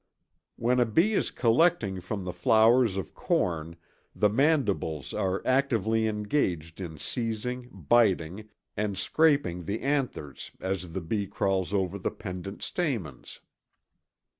When a bee is collecting from the flowers of corn the mandibles are actively engaged in seizing, biting, and scraping the anthers as the bee crawls over the pendent stamens.